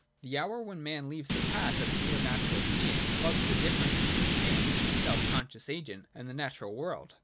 The hour when man leaves the path of mere natural being marks the diflerence between him, a self conscious agent, and the natural world.